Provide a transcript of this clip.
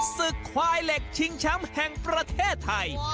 ศึกควายเหล็กชิงแชมป์แห่งประเทศไทย